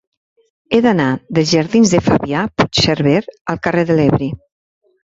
He d'anar dels jardins de Fabià Puigserver al carrer de l'Ebre.